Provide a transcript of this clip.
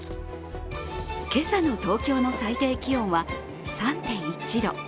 今朝の東京の最低気温は３．１度。